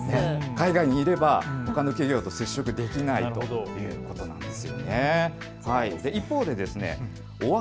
海外にいればほかの企業と接触することができないということなんです。